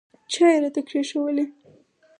چای یې راته کښېښوولې.